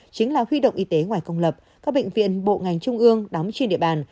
chính là huy động y tế ngoài công lập các bệnh viện bộ ngành trung ương đóng trên địa bàn